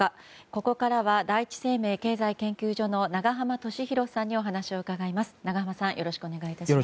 ここからは第一生命経済研究所の永濱利廣さんにお話を伺います。